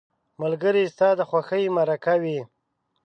ملګری ستا د خوښۍ مرکه وي